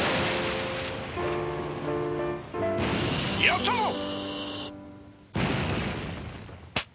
やったぞ！